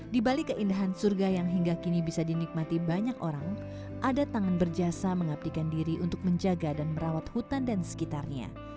di balik keindahan surga yang hingga kini bisa dinikmati banyak orang ada tangan berjasa mengabdikan diri untuk menjaga dan merawat hutan dan sekitarnya